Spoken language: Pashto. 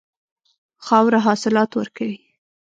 خاوره حاصلات ورکوي.